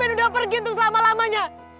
udah pergi tuh selama lamanya